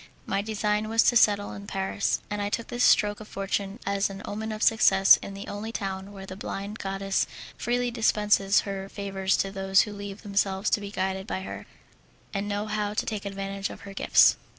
My design was to settle in Paris, and I took this stroke of fortune as an omen of success in the only town where the blind goddess freely dispenses her favours to those who leave themselves to be guided by her, and know how to take advantage of her gifts.